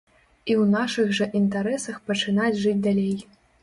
І ў нашых жа інтарэсах пачынаць жыць далей.